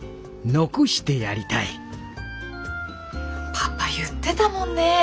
パパ言ってたもんね。